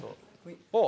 あっ！